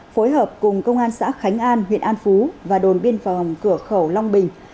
phối hợp cùng công an xã khánh an huyện an phú và đồn biên phòng cửa khẩu long bình